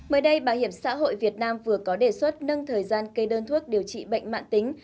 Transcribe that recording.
mới đây bảo hiểm xã hội việt nam vừa có đề xuất nâng thời gian kê đơn thuốc điều trị bệnh mạng tính